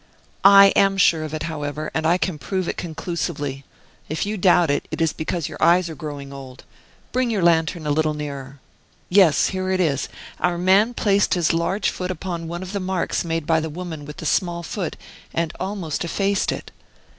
"I am sure of it, however; and can prove it conclusively. If you doubt it, it is because your eyes are growing old. Bring your lantern a little nearer yes, here it is our man placed his large foot upon one of the marks made by the woman with the small foot and almost effaced it."